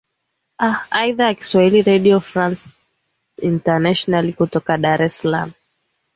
a idhaa ya kiswahili redio france international kutoka dar es salam